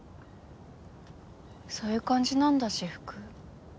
そういう感じなんだ私服。